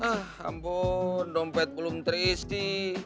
ah ampun dompet belum terisi